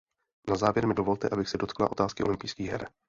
Na závěr mi dovolte, abych se dotkla otázky olympijských her.